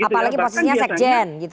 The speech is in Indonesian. apalagi posisinya sekjen